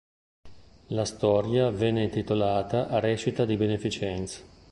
La storia venne intitolata "Recita di beneficenza".